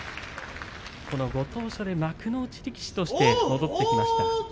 このご当所で幕内力士として戻ってきました。